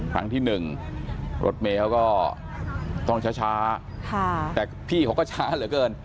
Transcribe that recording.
ครั้งที่หนึ่งรถเมย์เขาก็ต้องช้าแต่พี่เขาก็ช้าเหลือเกิน